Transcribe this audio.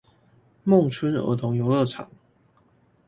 孟春兒童遊樂場